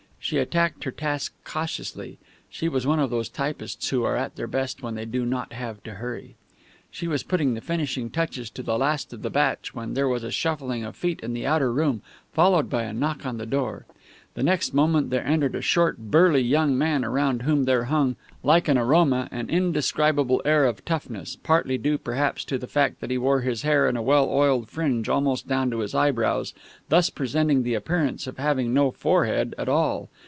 She attacked her task cautiously. She was one of those typists who are at their best when they do not have to hurry. She was putting the finishing touches to the last of the batch, when there was a shuffling of feet in the outer room, followed by a knock on the door. The next moment there entered a short, burly young man, around whom there hung, like an aroma, an indescribable air of toughness, partly due, perhaps, to the fact that he wore his hair in a well oiled fringe almost down to his eyebrows, thus presenting the appearance of having no forehead at all.